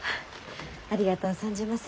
ありがとう存じます。